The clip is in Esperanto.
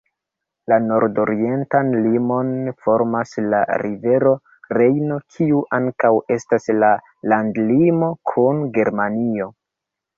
La nordorientan limon formas la rivero Rejno, kiu ankaŭ estas la landlimo kun Germanio.